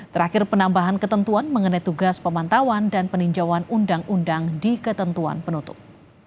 terakhir penambahan ketentuan mengenai tugas pemantauan dan peninjauan undang undang di ketentuan penutup